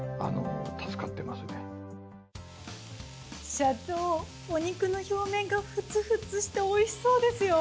社長お肉の表面がフツフツして美味しそうですよ。